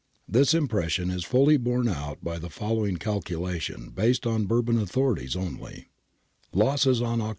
This impression is fully borne out by the following cal culation, based on Bourbon authorities only :— Losses on Oct.